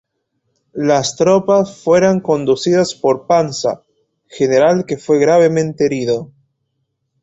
Las tropas fueran conducidas por Pansa, general que fue gravemente herido.